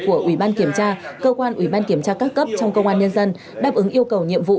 của ủy ban kiểm tra cơ quan ủy ban kiểm tra các cấp trong công an nhân dân đáp ứng yêu cầu nhiệm vụ